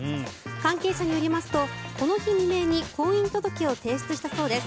関係者によりますとこの日未明に婚姻届を提出したそうです。